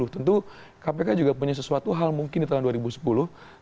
tentu kpk juga punya sesuatu hal mungkin di tahun dua ribu sepuluh